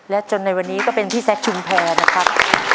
และจนในวันนี้ก็เป็นพี่แซคชุมแพรนะครับ